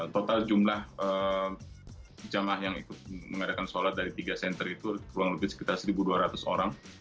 total jumlah jamaah yang ikut mengadakan sholat dari tiga center itu kurang lebih sekitar satu dua ratus orang